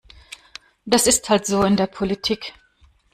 Das ist halt so in der Politik.